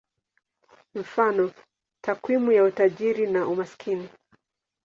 Mfano: takwimu ya utajiri na umaskini.